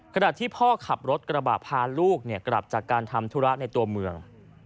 ขณะที่พ่อขับรถกระบะพาลูกกลับจากการทำธุระในตัวเมือง